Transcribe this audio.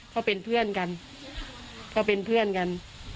เขาเป็นเพื่อนกัน